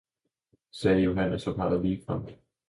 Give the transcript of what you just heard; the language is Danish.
sagde Johannes, og pegede ligefrem.